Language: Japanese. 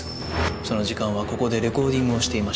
その時間はここでレコーディングをしていましたから